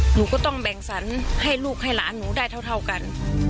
หนูก็ต้องแบ่งสรรให้ลูกให้หลานหนูได้เท่ากัน